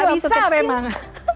gak bisa memang